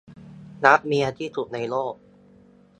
รักเมียที่สุดในโลก